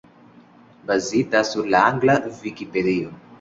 Bazita sur la angla Vikipedio.